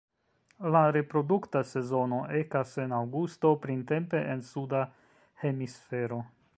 La reprodukta sezono ekas en aŭgusto, printempe en Suda Hemisfero.